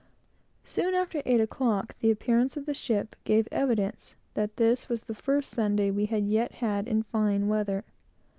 Soon after eight o'clock, the appearance of the ship gave evidence that this was the first Sunday we had yet had in fine weather.